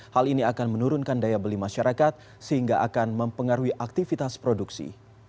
hal ini akan menurunkan daya beli masyarakat sehingga akan mempengaruhi aktivitas produksi